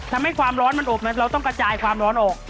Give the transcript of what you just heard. ทำให้ความร้อนมันอบเราต้องกระจายความร้อนออก